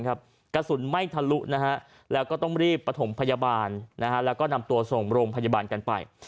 กระสุนไม่ทะลุแล้วก็ต้องรีบประถมพยาบาลแล้วก็นำตัวส่งโรงพยาบาลกันไป